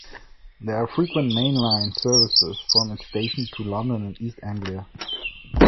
There are frequent main line services from its station to London and East Anglia.